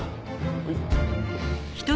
はい。